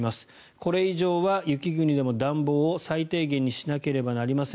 これ以上は雪国でも暖房を最低限にしなければなりません